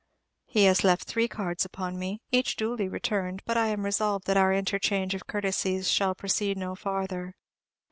He has left three cards upon me, each duly returned; but I am resolved that our inter change of courtesies shall proceed no farther.